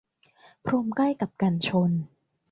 พรมใกล้กับกันชน